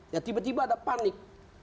ya tiba tiba ada panik